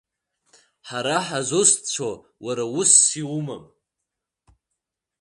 Ҳара ҳзусҭцәоу уара усс иумам.